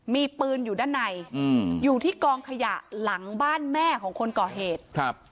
มีปืนอยู่ด้านในอยู่ที่กองขยะหลังบ้านแม่ของคนก่อเหตุครับ